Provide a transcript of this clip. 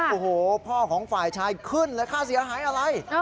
โอ้โหพ่อของฝ่ายชายขึ้นเลยค่าเสียหายอะไร